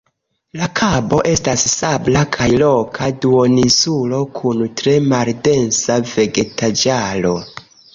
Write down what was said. La kabo estas sabla kaj roka duoninsulo kun tre maldensa vegetaĵaro.